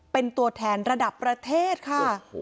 เป็นตัวแทนระดับประเทศค่ะ